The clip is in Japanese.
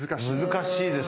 難しいですね。